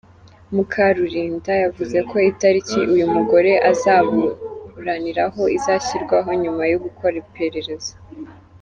Mukuralinda yavuze ko itariki uyu mugore azaburaniraho izashyirwaho nyuma yo gukora iperereza.